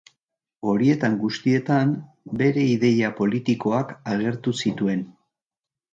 Horietan guztietan bere ideia politikoak agertu zituen.